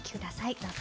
どうぞ。